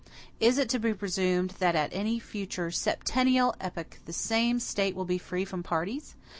Is it to be presumed, that at any future septennial epoch the same State will be free from parties?